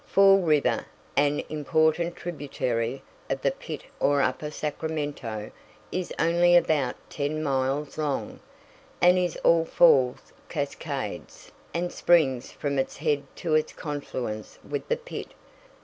Fall River, an important tributary of the Pitt or Upper Sacramento, is only about ten miles long, and is all falls, cascades, and springs from its head to its confluence with the Pitt.